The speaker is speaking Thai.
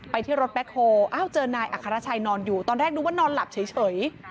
ที่รถแบ็คโฮอ้าวเจอนายอัครชัยนอนอยู่ตอนแรกนึกว่านอนหลับเฉย